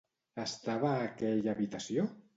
Estava a aquella habitació?